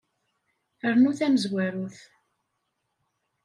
Rnu tamezwarut.